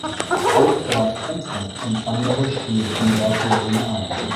Auch Bert Kaempfert und andere spielten Versionen ein.